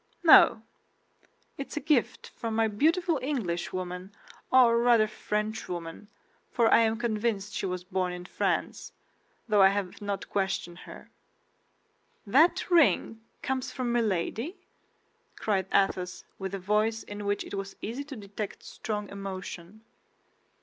"No. It is a gift from my beautiful Englishwoman, or rather Frenchwoman—for I am convinced she was born in France, though I have not questioned her." "That ring comes from Milady?" cried Athos, with a voice in which it was easy to detect strong emotion.